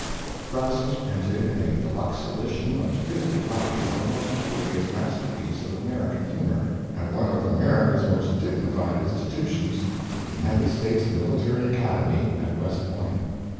Thus was printed in a de luxe edition of fifty copies the most curious masterpiece of American humor, at one of America's most dignified institutions, the United States Military Academy at West Point.